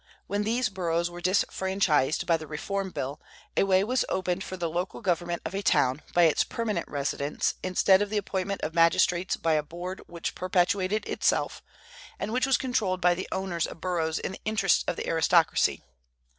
When these boroughs were disfranchised by the Reform Bill, a way was opened for the local government of a town by its permanent residents, instead of the appointment of magistrates by a board which perpetuated itself, and which was controlled by the owners of boroughs in the interests of the aristocracy.